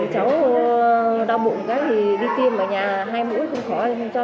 cháu đau bụng đi tiêm ở nhà hai mũi không khó